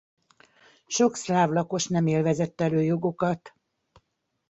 Sok szláv lakos nem élvezett előjogokat.